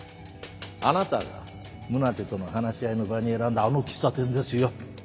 あなたが宗手との話し合いの場に選んだあの喫茶店ですよ。